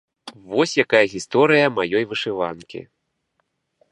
Вось якая гісторыя маёй вышыванкі!